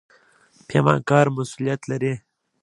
پیمانکار مسوولیت لري